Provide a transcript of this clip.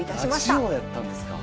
ラジオやったんですか。